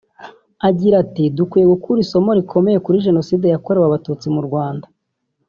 Agira ati “ Dukwiye gukura isomo rikomeye kuri Jenoside yakorewe Abatutsi mu Rwanda